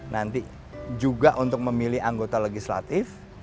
nanti juga untuk memilih anggota legislatif